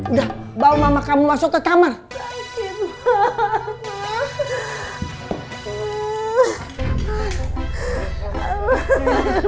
udah bawa mama kamu masuk ke kamar